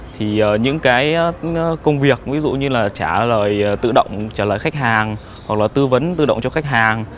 thì những cái công việc ví dụ như là trả lời tự động trả lời khách hàng hoặc là tư vấn tự động cho khách hàng